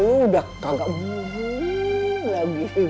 lu udah kagak buru